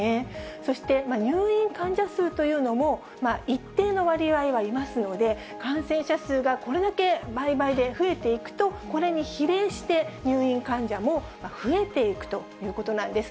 そして、入院患者数というのも、一定の割合はいますので、感染者数がこれだけ倍倍で増えていくと、これに比例して、入院患者も増えていくということなんです。